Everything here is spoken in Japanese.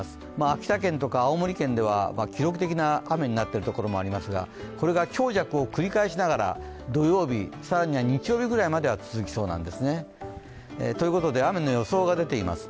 秋田県とか青森県では記録的な雨になっているところもありますが、これが強弱を繰り返しながら土曜日、更には日曜日ぐらいまで続きそうですね。ということで、雨の予想が出ています。